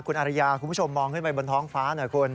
คุณอริยาคุณผู้ชมมองขึ้นไปบนท้องฟ้าหน่อยคุณ